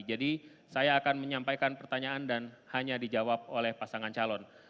jadi saya akan menyampaikan pertanyaan dan hanya dijawab oleh pasangan calon